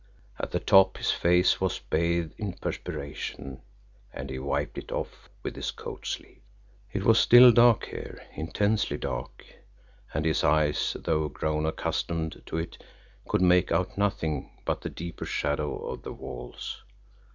At the top his face was bathed in perspiration, and he wiped it off with his coat sleeve. It was still dark here, intensely dark, and his eyes, though grown accustomed to it, could make out nothing but the deeper shadow of the walls.